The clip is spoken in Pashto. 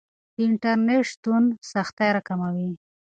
د انټرنیټ شتون سختۍ راکموي.